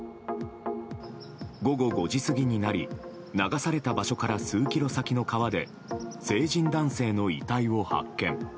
午後５時過ぎになり流された場所から数キロ先の川で成人男性の遺体を発見。